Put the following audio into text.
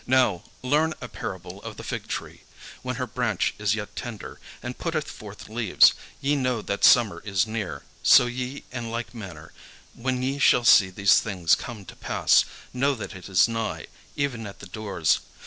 "Now, learn a parable of the fig tree; when her branch is yet tender, and putteth forth leaves, ye know that summer is near: so ye in like manner, when ye shall see these things come to pass, know that it is nigh, even at the doors.